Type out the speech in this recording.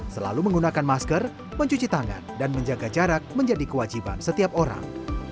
selalu menggunakan masker mencuci tangan dan menjaga jarak menjadi kewajiban setiap orang